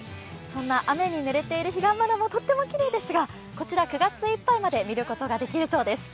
雨に濡れている彼岸花もとてもきれいですがこちら９月いっぱいまで見ることができるそうです。